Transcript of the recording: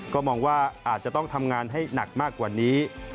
ก็มองว่าอาจจะต้องทำงานให้หนักมากกว่านี้